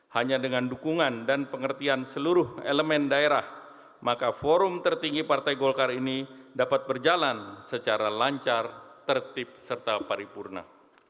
hanya dengan dukungan dan pengertian seluruh elemen daerah maka forum tertinggi partai golkar ini dapat berjalan secara lancar tertib serta paripurna